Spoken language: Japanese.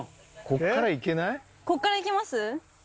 こっから行けます？